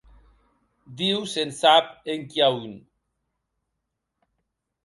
Diu s’en sap enquia on.